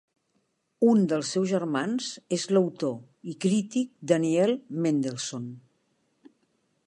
Un dels seus germans és l'autor i crític Daniel Mendelsohn.